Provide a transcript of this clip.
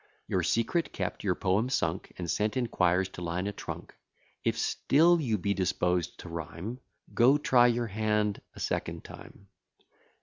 Your secret kept, your poem sunk, And sent in quires to line a trunk, If still you be disposed to rhyme, Go try your hand a second time.